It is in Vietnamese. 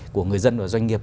của người dân và doanh nghiệp